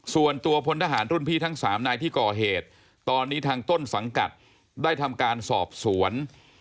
พลทหารรุ่นพี่ทั้ง๓นายที่ก่อเหตุตอนนี้ทางต้นสังกัดได้ทำการสอบสวน